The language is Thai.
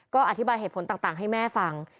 ก็อธิบายเหตุผลต่างให้แม่ฟัง